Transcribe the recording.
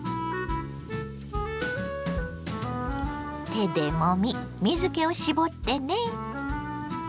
手でもみ水けを絞ってね。